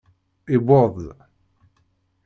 Yewweḍ.